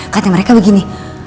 katanya mereka begini